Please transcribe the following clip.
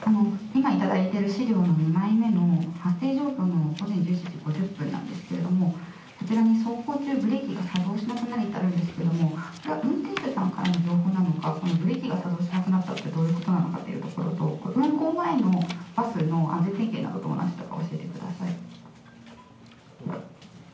今頂いている資料の２枚目の午前１１時５０分なんですけれども、こちらに走行中、ブレーキが作動しなくなりとあるんですけれども、運転手さんからの情報なのか、このブレーキが作動しなくなったというのはどういうことなのかということと、走行前のバスの安全点検など、どうだったか教えてください。